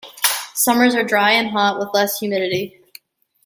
Summers are dry and hot with less humidity.